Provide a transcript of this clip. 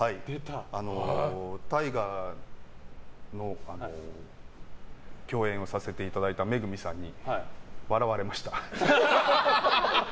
大河の共演をさせていただいた恵さんに笑われました。